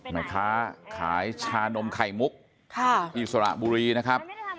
แม่ค้าขายชานมไข่มุกที่สระบุรีนะครับ